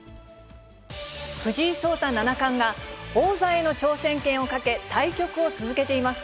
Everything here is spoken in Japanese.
藤井聡太七冠が、王座への挑戦権をかけ、対局を続けています。